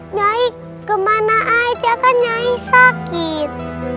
nyai kemana aja kan nyai sakit